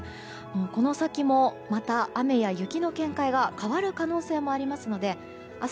この先もまた雨や雪の見解が変わる可能性がありますので明日